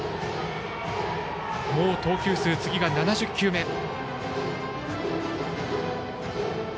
もう投球数、７０球目。